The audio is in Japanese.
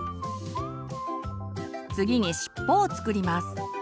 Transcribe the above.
次に尻尾を作ります。